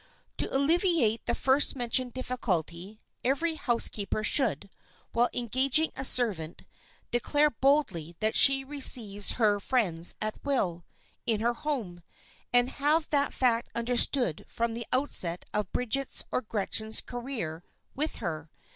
To obviate the first mentioned difficulty, every housekeeper should, when engaging a servant, declare boldly that she receives her friends at will, in her home, and have that fact understood from the outset of Bridget's or Gretchen's career with her.